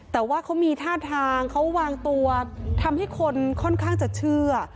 แต่ว่าเขามีท่าทางเขาวางตัวทำให้คนค่อนข้างจะเชื่อ